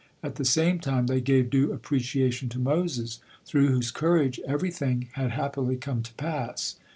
At the same time they gave due appreciation to Moses, through whose courage everything had happily come to pass.